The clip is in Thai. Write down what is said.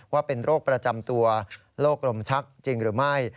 ว่าเป็นโรคประจำตัวโรคลมชักจริงหรือไม่